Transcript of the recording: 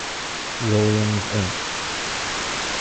Williams, Inc.